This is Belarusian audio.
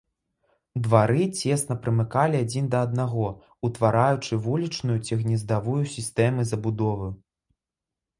Двары цесна прымыкалі адзін да аднаго, утвараючы вулічную ці гнездавую сістэмы забудовы.